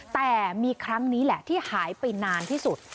แต่มีครั้งนี้แหละที่หายไปนานที่สุด